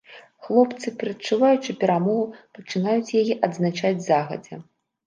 Хлопцы, прадчуваючы перамогу, пачынаюць яе адзначаць загадзя.